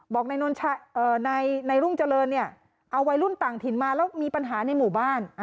บอกในรุ่งเจริญเนี่ยเอาวัยรุ่นต่างถิ่นมาแล้วมีปัญหาในหมู่บ้าน